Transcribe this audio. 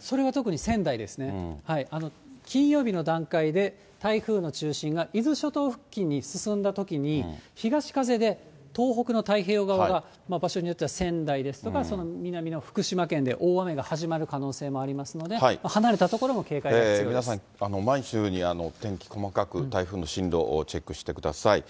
それは特に仙台ですね、金曜日の段階で台風の中心が伊豆諸島付近に進んだときに、東風で東北の太平洋側が、場所によっては仙台ですとか、その南の福島県で大雨が始まる可能性もありますので、皆さん、毎日のように天気、細かく、台風の進路チェックしてください。